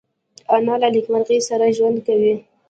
انا له نیکمرغۍ سره ژوند کوي